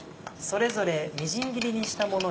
それぞれみじん切りにしたもの